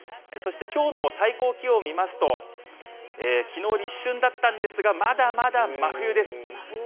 そしてきょうの最高気温見ますと、きのう立春だったんですが、まだまだ真冬です。